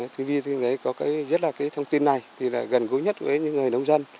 tv có rất là cái thông tin này thì là gần gối nhất với những người nông dân